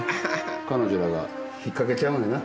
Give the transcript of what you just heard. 彼女らが引っ掛けちゃうねんな？